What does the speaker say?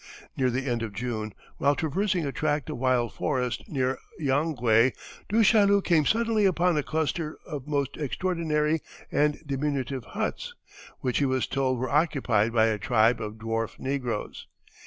Near the end of June, while traversing a tract of wild forest near Yangue, Du Chaillu came suddenly upon a cluster of most extraordinary and diminutive huts, which he was told were occupied by a tribe of dwarf negroes.